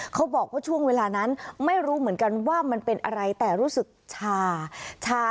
เขาบอกว่าช่วงเวลานั้นไม่รู้เหมือนกันว่ามันเป็นอะไรแต่รู้สึกชา